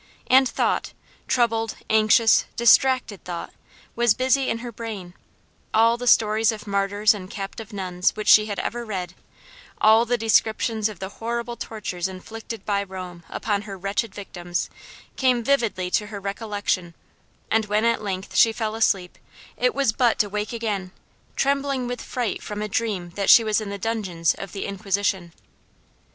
And thought troubled, anxious, distracting thought was busy in her brain; all the stories of martyrs and captive nuns which she had ever read all the descriptions of the horrible tortures inflicted by Rome upon her wretched victims, came vividly to her recollection, and when at length she fell asleep, it was but to wake again, trembling with fright from a dream that she was in the dungeons of the Inquisition.